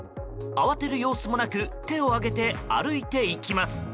慌てる様子もなく手を上げて歩いていきます。